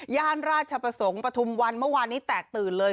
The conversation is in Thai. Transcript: ราชประสงค์ปฐุมวันเมื่อวานนี้แตกตื่นเลย